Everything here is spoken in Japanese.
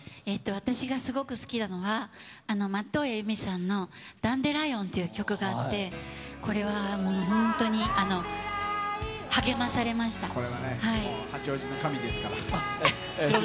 私がすごく好きなのは、松任谷由実さんのダンデライオンという曲があって、これはもう本これは八王子の神ですから。